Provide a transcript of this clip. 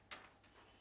menjadi kemampuan anda